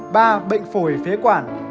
ba bệnh phổi phế quản